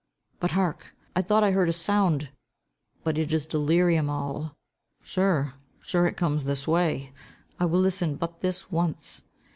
But hark! I thought I heard a sound, but it is delirium all. Sure, sure it comes this way. I will listen but this once."